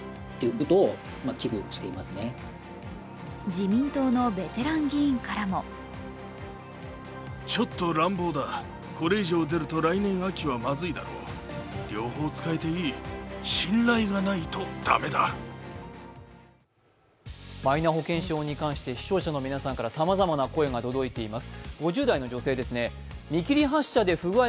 自民党のベテラン議員からもマイナ保険証に関して視聴者の皆さんからさまざまな声が届いています。